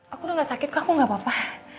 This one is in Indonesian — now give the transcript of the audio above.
aku udah gak sakit kak aku gak apa apa